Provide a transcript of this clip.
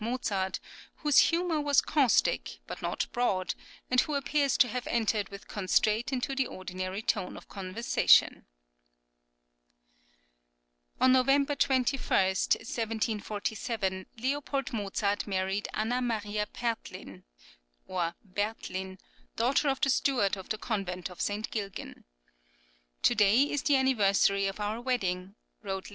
Mozart, whose humour was caustic, but not broad, and who appears to have entered with constraint into the ordinary tone of conversation. On November 21, 1747, Leopold Mozart married Anna Maria Pertlin (or Bertlin), daughter of the steward of the Convent of St. Gilgen. "To day is the anniversary of our wedding," wrote L.